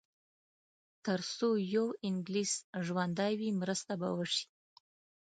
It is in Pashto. تر څو یو انګلیس ژوندی وي مرسته به وشي.